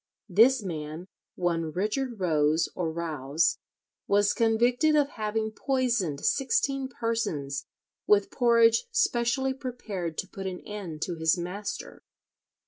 This man, one Richard Rose or Rouse, was convicted of having poisoned sixteen persons with porridge specially prepared to put an end to his master.